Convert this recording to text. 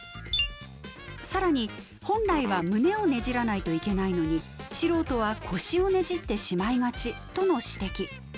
更に本来は胸をねじらないといけないのに素人は腰をねじってしまいがちとの指摘。